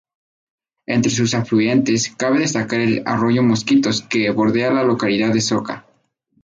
Entre sus afluentes cabe destacar al arroyo Mosquitos, que bordea la localidad de Soca.